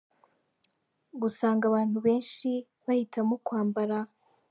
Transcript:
Gusanga abantu benshi bahitamo kwambara.